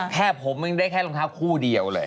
แค่ผมยังได้แค่รองเท้าคู่เดียวเลย